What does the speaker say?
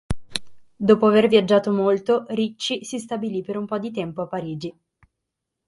Dopo aver viaggiato molto Ricci si stabilì per un po' di tempo a Parigi.